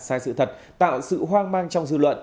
sai sự thật tạo sự hoang mang trong dư luận